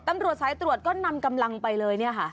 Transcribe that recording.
ตำรวจสายตรวจก็นำกำลังไปเลย